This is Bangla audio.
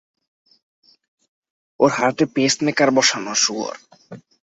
ওর হার্টে পেসমেকার বসানো, শুয়োর।